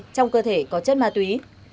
trong cơ thể có chất ma túy